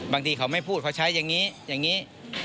บางทีเขาไม่พูดเขาใช้อย่างนี้อย่างนี้